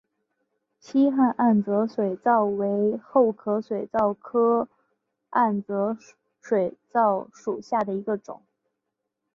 希罕暗哲水蚤为厚壳水蚤科暗哲水蚤属下的一个种。